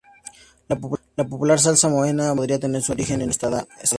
La popular salsa mahonesa o "mayonesa" podría tener su origen en esta ciudad.